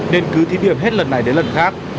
nên cứ thí điểm hết lần này đến lần khác